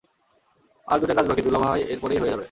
আর দুইটা কাজ বাকি, দুলাভাই এরপরেই হয়ে যাবে।